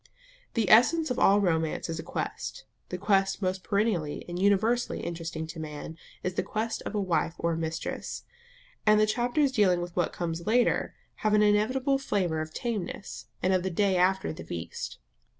The essence of all romance is a quest; the quest most perennially and universally interesting to man is the quest of a wife or a mistress; and the chapters dealing with what comes later have an inevitable flavour of tameness, and of the day after the feast.